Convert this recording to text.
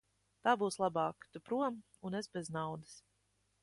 Tā būs labāk; tu prom un es bez naudas.